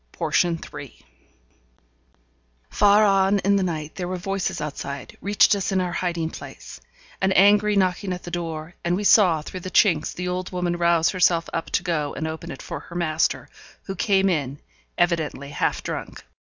Portion 3 Far on in the night there were voices outside reached us in our hiding place; an angry knocking at the door, and we saw through the chinks the old woman rouse herself up to go and open it for her master, who came in, evidently half drunk.